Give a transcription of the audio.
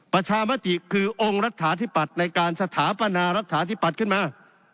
ประชามติคือองค์รัฐาธิปัตย์ในการสถาปนารัฐาธิปัตย์ขึ้นมา